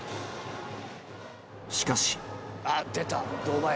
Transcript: しかし。